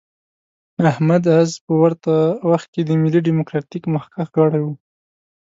احمد عز په ورته وخت کې د ملي ډیموکراتیک مخکښ غړی و.